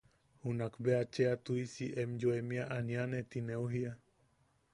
Junak bea cheʼa tuʼisi em yoemia aniane ti neu jiia.